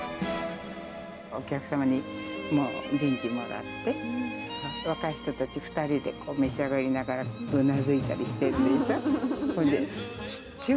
お客様に元気もらって、若い人たち２人で召し上がりながら、うなずいたりしてるでしょう。